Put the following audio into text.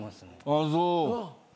ああそう。